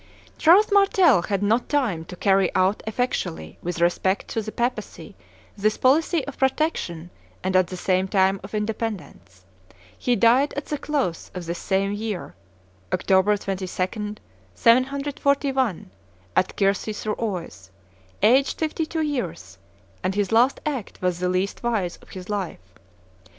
Charles Martel had not time to carry out effectually with respect to the Papacy this policy of protection and at the same time of independence; he died at the close of this same year, October 22, 741, at Kiersy sur Oise, aged fifty two years, and his last act was the least wise of his life.